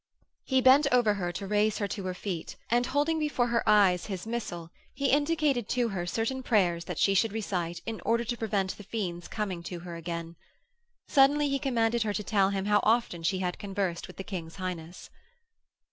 He bent over her to raise her to her feet and holding before her eyes his missal, he indicated to her certain prayers that she should recite in order to prevent the fiend's coming to her again. Suddenly he commanded her to tell him how often she had conversed with the King's Highness.